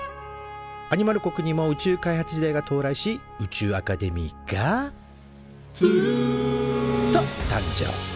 アニマル国にも宇宙開発時代が到来し宇宙アカデミーが「つるん」と誕生。